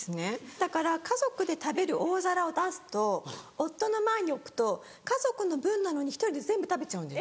だから家族で食べる大皿を出すと夫の前に置くと家族の分なのに１人で全部食べちゃうんです。